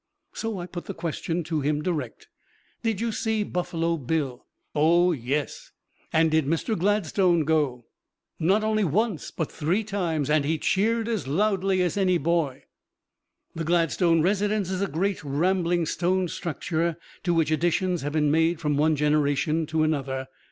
So I put the question to him direct: "Did you see Buffalo Bill?" "Oh, yes." "And did Mr. Gladstone go?" "Not only once, but three times, and he cheered as loudly as any boy." The Gladstone residence is a great, rambling, stone structure to which additions have been made from one generation to another.